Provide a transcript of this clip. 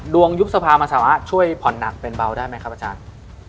ยุบสภามันสามารถช่วยผ่อนหนักเป็นเบาได้ไหมครับอาจารย์